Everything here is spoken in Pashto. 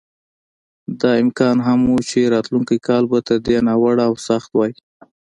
دا امکان هم و چې راتلونکی کال به تر دې ناوړه او سخت وای.